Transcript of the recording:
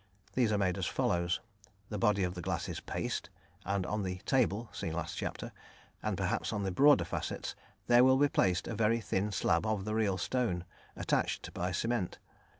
These are made as follows: the body of the glass is of paste, and on the "table" (see last chapter), and perhaps on the broader facets, there will be placed a very thin slab of the real stone, attached by cement.